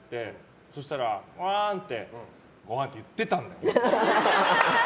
そしたら、うわんってごはんって言ってたんだよ！